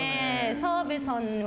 澤部さんは？